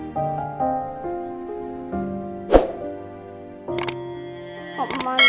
sepertinya dua perempuan anyu